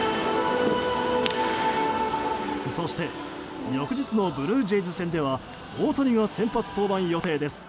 そして、翌日のブルージェイズ戦では大谷が先発登板予定です。